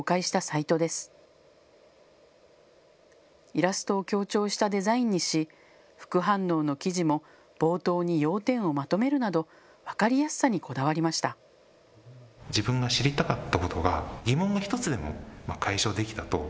イラストを強調したデザインにし副反応の記事も冒頭に要点をまとめるなど分かりやすさにこだわりました。